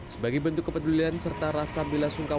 sebagai bentuk kepedulian serta rasa bela sungkawa